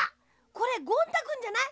これゴン太くんじゃない？